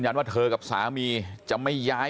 บอกแล้วบอกแล้วบอกแล้วบอกแล้ว